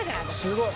すごい。